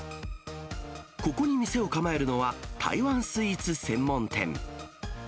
ここに店を構えるのは、台湾スイーツ専門店。